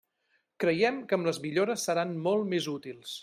Creiem que amb les millores seran molt més útils.